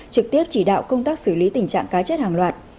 trực tiếp chỉ đạo công tác xử lý tình trạng cá chết hàng loạt